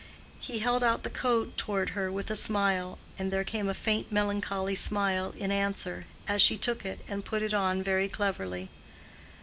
He held out the coat toward her with a smile, and there came a faint melancholy smile in answer, as she took it and put it on very cleverly.